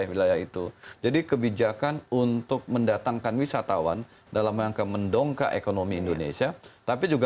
indonesia untuk mendatangkan wisatawan dalam rangka mendongka ekonomi indonesia tapi juga